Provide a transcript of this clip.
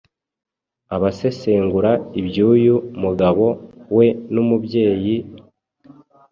Abasesengura iby’uyu mugabo we n’umubyeyi,